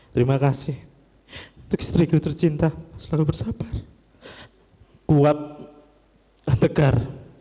terima kasih untuk istriku tercinta selalu bersabar kuat dan tegar